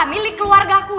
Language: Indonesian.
milik keluarga aku